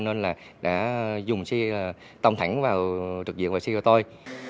nên là đã dùng xe tông thẳng vào trực diện và xe cho tôi